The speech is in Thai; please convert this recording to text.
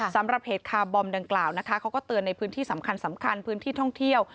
สำหรับเหตุคาร์บอมดังกล่าวนะคะเขาก็เตือนในพื้นที่สำคัญพื้นที่ท่องเที่ยว